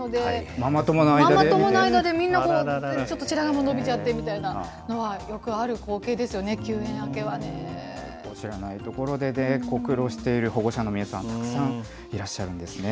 ママ友の間で、みんな、ちょっと白髪も伸びちゃってみたいのは、よくある光景ですよね、知らないところで、ご苦労している保護者の皆さん、たくさんいらっしゃるんですね。